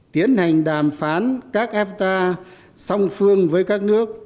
tiến hành đàm phán các efta song phương với các nước